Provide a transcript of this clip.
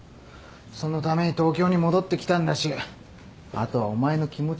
そのために東京に戻ってきたんだしあとはお前の気持ちの問題だよ。